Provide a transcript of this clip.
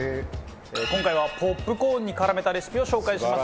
今回はポップコーンに絡めたレシピを紹介します。